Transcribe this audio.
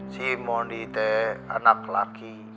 si mondi itu anak laki